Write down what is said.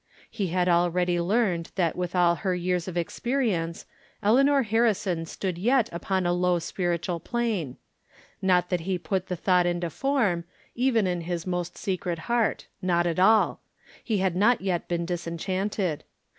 He had already learned that with all her years of experience Eleanor Harrison stood yet upon a low spiritual plane ; not that he put the thought into form, even in his most secret heart. Not at all. He had not yet been disenchanted.